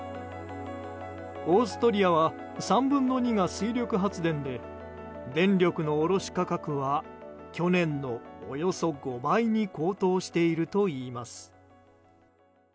オーストリアは３分の２が水力発電で電力の卸価格は去年のおよそ５倍に高騰しているといいます。